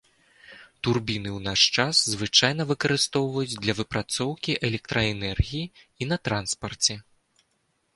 Турбіны ў наш час звычайна выкарыстоўваюць для выпрацоўкі электраэнергіі і на транспарце.